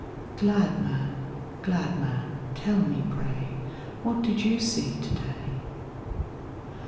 Glad man, Glad man, tell me, pray. What did you see to day?